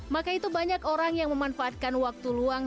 maka itu banyak orang yang memanfaatkan waktu luang